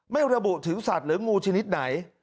ไม่ระบุถึงสัตว์หรืองูชนิดไหน